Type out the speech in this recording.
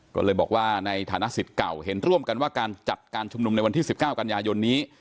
ก็เลยบอกว่าในฐานะสิทธิ์เก่าเห็นร่วมกันว่าการจัดการชุมนุมในวันที่๑๙กันยายนนี้